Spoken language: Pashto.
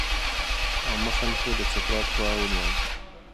او مخامخ یې د چترال خوا ونیوله.